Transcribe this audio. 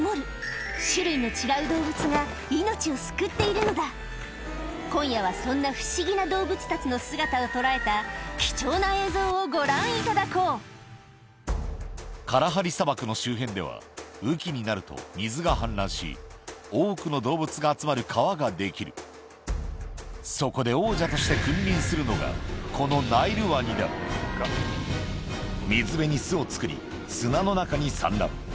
そこでは今夜はそんな不思議な動物たちの姿を捉えた貴重な映像をご覧いただこうカラハリ砂漠の周辺では雨期になると水が氾濫し多くの動物が集まる川ができるそこで王者として君臨するのがこの水辺に巣を作り砂の中に産卵